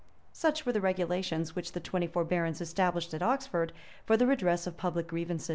Such were the regulations which the twenty four barons established at Oxford, for the redress of public grievances.